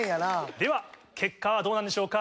では結果はどうなんでしょうか？